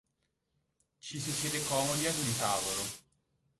Ci si siede comodi ad un tavolo.